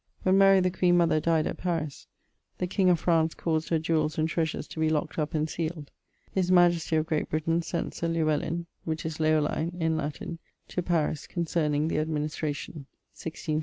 When Mary the queen mother dyed at Paris, the king of Fraunce caused her jewells and treasures to be locked up and sealed. His majestie of Great Britaine sent Sir Llewellin (which is Leoline in Latin) to Paris concerning the administration .